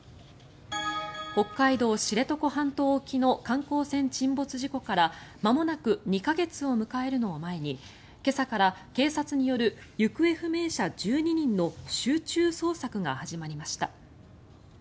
北海道・知床半島沖の観光船沈没事故からまもなく２か月を迎えるのを前に今朝から警察による行方不明者１２人の集中捜索が始まりました。